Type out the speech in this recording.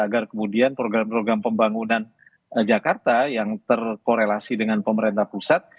agar kemudian program program pembangunan jakarta yang terkorelasi dengan pemerintah pusat